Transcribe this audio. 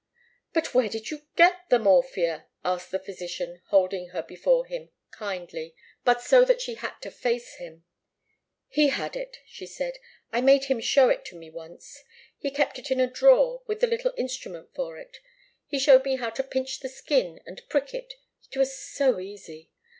"But where did you get the morphia?" asked the physician, holding her before him, kindly, but so that she had to face him. "He had it," she said. "I made him show it to me once. He kept it in a drawer with the little instrument for it. He showed me how to pinch the skin and prick it it was so easy!